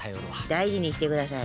大事にしてください。